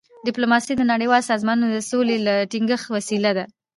ډيپلوماسي د نړیوالو سازمانونو د سولي د ټینګښت وسیله ده.